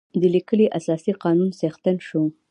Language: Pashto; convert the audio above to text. د لیکلي اساسي قانون څښتن شو.